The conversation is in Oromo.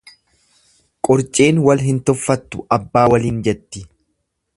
Qurciin wal hin tuffattu abbaa waliin jetti.